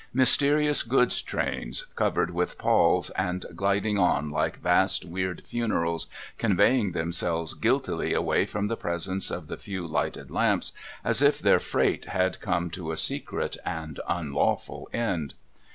Mysterious goods trains, covered with palls and ghding on like vast weird funerals, conveying themselves guiltily away from the presence of the few lighted lamps, as if their freight had come to a secret and unlawful end.